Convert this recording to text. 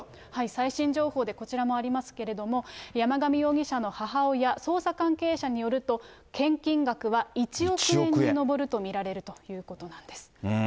最新情報でこちらもありますけれども、山上容疑者の母親、捜査関係者によると、献金額は１億円に上ると見られるということなんです。